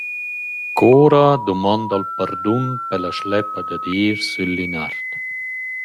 Coura dumonda’l pardun per la schleppa dad her, sül Linard.